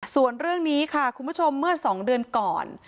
ส่วนเรื่องนี้ค่ะคุณผู้ชมเมื่อ๒เดือนก่อน